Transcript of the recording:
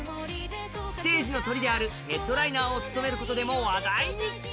ステージのトリでもあるヘッドライナーを務めることでも話題に。